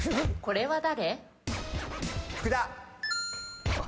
これは誰？